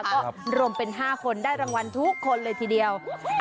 ก็รวมเป็น๕คนได้รางวัลทุกคนเลยทีเดียว